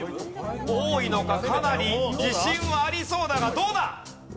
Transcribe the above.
かなり自信はありそうだがどうだ？